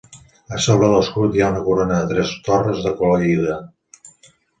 A sobre de l'escut hi ha una corona de tres torres de color lila.